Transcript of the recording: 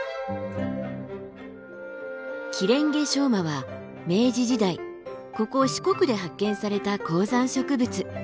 キレンゲショウマは明治時代ここ四国で発見された高山植物。